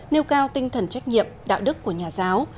nêu cao tinh thần trách nhiệm đạo đức của nhà giáo